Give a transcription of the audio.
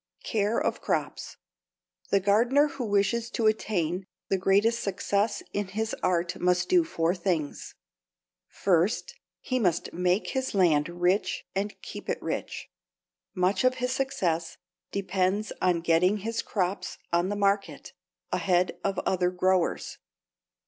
=Care of Crops.= The gardener who wishes to attain the greatest success in his art must do four things: First, he must make his land rich and keep it rich. Much of his success depends on getting his crops on the market ahead of other growers.